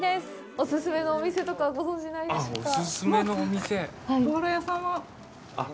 お勧めのお店とか、ご存じないですか。